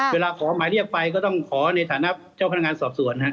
ขอหมายเรียกไปก็ต้องขอในฐานะเจ้าพนักงานสอบสวน